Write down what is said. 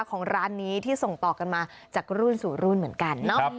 ของร้านนี้ที่ส่งต่อกันมาจากรุ่นสู่รุ่นเหมือนกันเนาะ